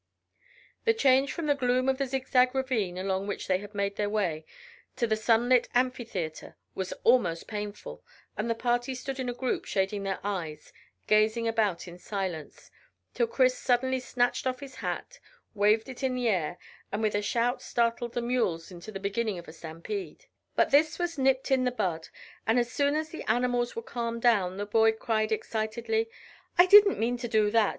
The change from the gloom of the zigzag ravine along which they had made their way, to the sunlit amphitheatre, was almost painful, and the party stood in a group shading their eyes, gazing about in silence, till Chris suddenly snatched off his hat, waved it in the air, and with a shout startled the mules into the beginning of a stampede. But this was nipped in the bud, and as soon as the animals were calmed down, the boy cried excitedly "I didn't mean to do that.